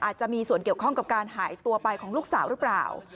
อาจจะมีส่วนเกี่ยวข้องกับการหายตัวไปของลูกสาวหรือเปล่า